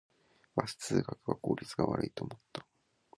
バス通学は効率が悪いと思った